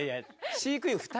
飼育員２人？